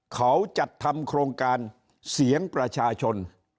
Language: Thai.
เขาจัดทำโครงการเสียงประชาชน